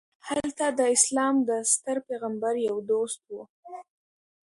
هلته د اسلام د ستر پیغمبر یو دوست و.